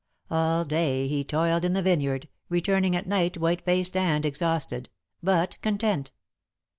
All day he toiled in the vineyard, returning at night white faced and exhausted, but content.